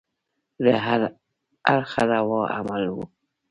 له هره اړخه روا عمل وو.